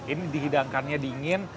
ini dihidangkannya dingin